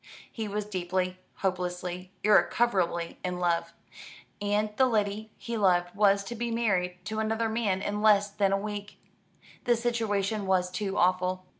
He was deeply, hopelessly, irrecoverably in love; and the lady he loved was to be married to another man in less than a week. The situation was too awful.